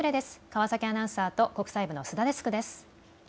川崎アナウンサーと国際部の須田デスクです。